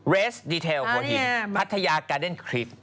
เรสดีเทลพัทยาการเด้นคริป